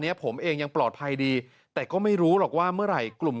ผมเองยังปลอดภัยดีแต่ก็ไม่รู้หรอกว่าเมื่อไหร่กลุ่ม